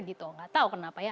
tidak tahu kenapa ya